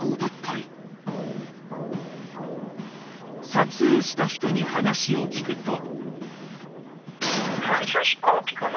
撮影した人に話を聞くと。